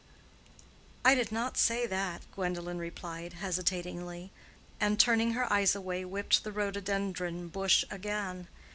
"I did not say that," Gwendolen replied, hesitatingly, and turning her eyes away whipped the rhododendron bush again.